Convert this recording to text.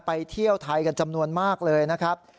เที่ยวไทยกันจำนวนมากเลยนะครับ